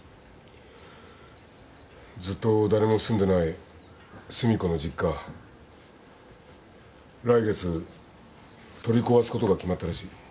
ずっと誰も住んでない寿美子の実家来月取り壊すことが決まったらしい。